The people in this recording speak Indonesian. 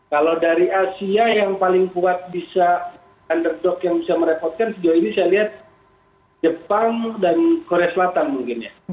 kalau dari asia yang paling kuat bisa underdog yang bisa merepotkan sejauh ini saya lihat jepang dan korea selatan mungkin ya